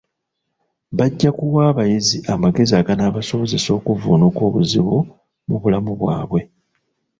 Bajja kuwa abayizi amagezi aganaabasobozesa okuvvuunuka obuzibu mu bulamu bwabwe.